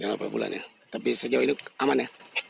jalan perbulan ya tapi sejauh ini aman ya